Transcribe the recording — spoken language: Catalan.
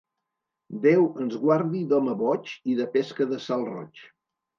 Déu ens guardi d'home boig i de pesca de salroig.